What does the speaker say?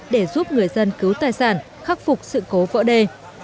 để giúp người dân cứu tài sản khắc phục sự cố vỡ đê